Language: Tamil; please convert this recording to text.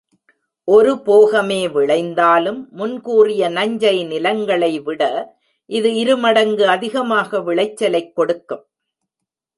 ஒரு போகமே விளைந்தாலும் முன்கூறிய நஞ்சை நிலங்களைவிட இது இருமடங்கு அதிகமாக விளைச்சலைக் கொடுக்கும்.